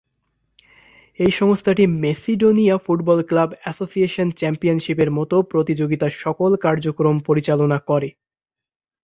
এই সংস্থাটি Macedonia football club association চ্যাম্পিয়নশিপের মতো প্রতিযোগিতার সকল কার্যক্রম পরিচালনা করে।